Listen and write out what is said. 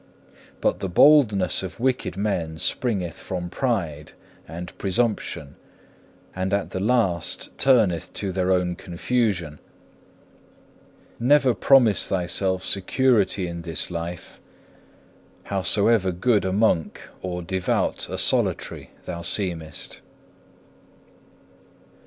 But the boldness of wicked men springeth from pride and presumption, and at the last turneth to their own confusion. Never promise thyself security in this life, howsoever good a monk or devout a solitary thou seemest.